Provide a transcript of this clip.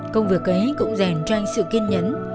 công việc ấy cũng rèn cho anh sự kiên nhẫn